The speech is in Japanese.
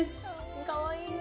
かわいいね。